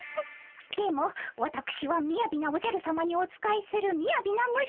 でもわたくしはみやびなおじゃるさまにお仕えするみやびな虫。